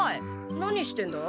何してんだ？